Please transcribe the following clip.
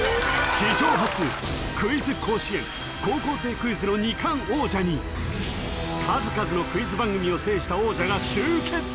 史上初「クイズ甲子園」「高校生クイズ」の２冠王者に数々のクイズ番組を制した王者が集結